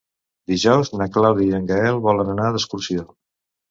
Dijous na Clàudia i en Gaël volen anar d'excursió.